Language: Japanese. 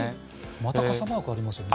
また傘マークがありますね。